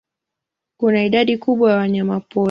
Kuna idadi kubwa ya wanyamapori.